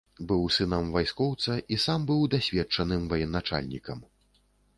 Быў сынам вайскоўца, і сам быў дасведчаным ваеначальнікам.